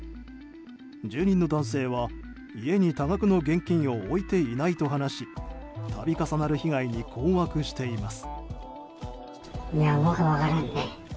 住人の男性は家に多額の現金を置いていないと話し度重なる被害に困惑しています。